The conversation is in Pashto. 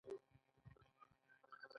دا په موسسه کې د منظمو تشکیلاتو جوړول دي.